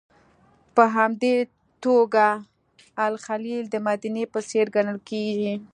په همدې توګه الخلیل د مدینې په څېر ګڼل کېږي.